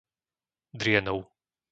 Drienov